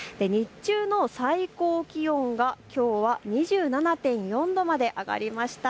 日中の最高気温がきょうは２７．４度まで上がりました。